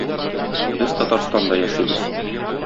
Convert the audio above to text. Без Татарстанда яшибез.